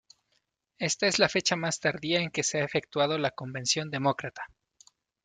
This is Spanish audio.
Esta es la fecha más tardía en que se ha efectuado la convención Demócrata.